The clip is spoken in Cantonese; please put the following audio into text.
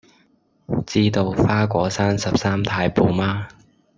知道花果山十三太保嗎